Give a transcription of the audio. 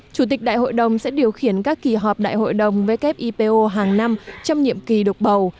chủ tịch đại hội đồng sẽ điều khiển các kỳ họp đại hội đồng wipo hàng năm trong nhiệm kỳ được bầu